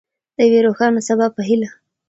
د یوې روښانه سبا په هیله.